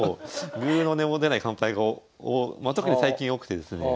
ぐうの音も出ない完敗が特に最近多くてですね。